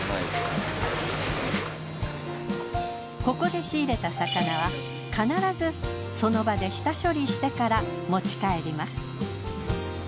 ここで仕入れた魚は必ずその場で下処理してから持ち帰ります。